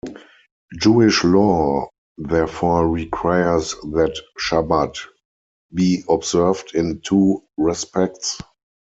Jewish law therefore requires that Shabbat be observed in two respects.